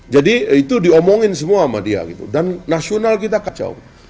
jadi itu diomongin semua sama dia dan nasional kita kacau